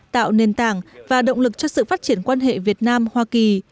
tạo nền tảng và động lực cho sự phát triển quan hệ việt nam hoa kỳ